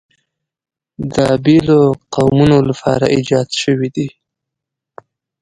د بېلو قومونو لپاره ایجاد شوي دي.